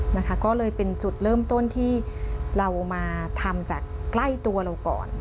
นะคะก็เลยเป็นจุดเริ่มต้นที่เรามาทำจากใกล้ตัวเราก่อน